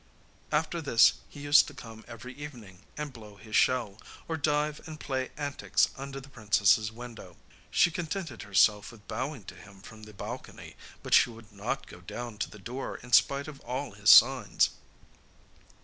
After this he used to come every evening, and blow his shell, or dive and play antics under the princess's window. She contented herself with bowing to him from the balcony, but she would not go down to the door in spite of all his signs.